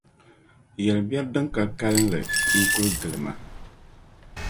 Yɛl’ biɛri din ka kalinli n-kul gili ma.